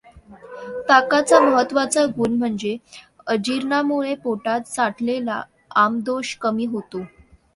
ताकाचा महत्त्वाचा गुण म्हणजे अजीर्णामुळे पोटात साठलेला आमदोष कमी होतो.